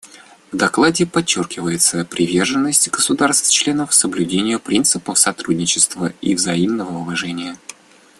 В докладе подчеркивается приверженность государств-членов соблюдению принципов сотрудничества и взаимного уважения.